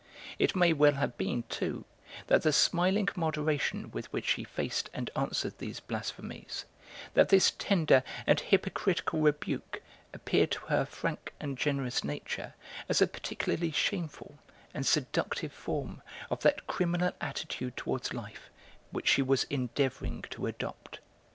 It may well have been, too, that the smiling moderation with which she faced and answered these blasphemies, that this tender and hypocritical rebuke appeared to her frank and generous nature as a particularly shameful and seductive form of that criminal attitude towards life which she was endeavouring to adopt.